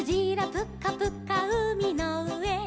プカプカうみのうえ」